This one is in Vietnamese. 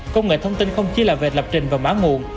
công nghệ thông tin không chỉ là về lập trình và mã nguồn